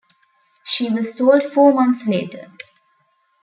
She was sold four months later.